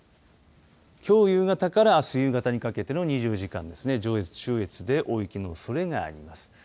きょう夕方からあす夕方にかけての２４時間ですね、上越、中越で、大雪のおそれがあります。